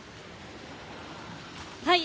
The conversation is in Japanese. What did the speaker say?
はい。